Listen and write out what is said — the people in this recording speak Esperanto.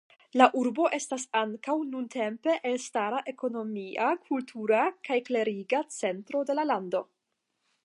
La urbo estas ankaŭ nuntempe elstara ekonomia, kultura kaj kleriga centro de la lando.